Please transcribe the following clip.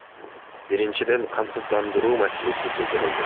Биринчиден, камсыздандыруу маселеси жылдырылды.